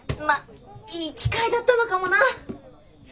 まっいい機会だったのかもな。